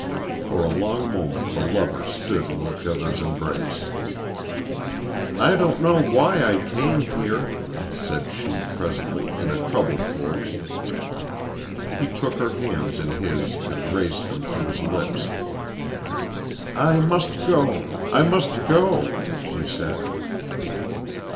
For a long moment the lovers stood in each other's embrace. .. "I don't know why I came here," said she, presently, in a troubled voice. He took her hands in his and raised them to his lips. "I must go; I must go," she said.